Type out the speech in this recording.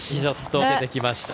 止めてきました。